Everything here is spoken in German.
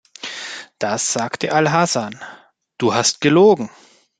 Das sagte al-Hasan: "Du hast gelogen.